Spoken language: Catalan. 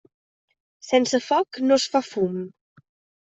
Sense foc no es fa fum.